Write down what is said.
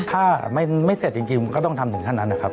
ถ้าไม่เสร็จจริงก็ต้องทำถึงขั้นนั้นนะครับ